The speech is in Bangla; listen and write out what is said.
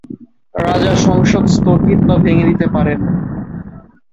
রাজা সংসদ স্থগিত বা ভেঙ্গে দিতে পারেন।